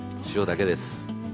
塩だけです。